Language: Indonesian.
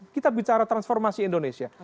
kita bicara transformasi indonesia